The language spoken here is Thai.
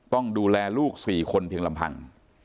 ต้องดูแลลูก๔คนเพียงลำพัง